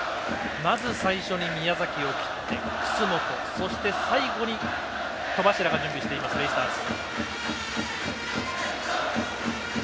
まず最初に宮崎を切って楠本、そして、最後に戸柱が準備しています、ベイスターズ。